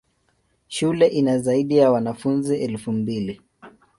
Shule ina zaidi ya wanafunzi elfu mbili.